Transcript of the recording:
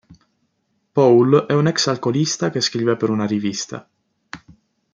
Paul è un ex alcolista che scrive per una rivista.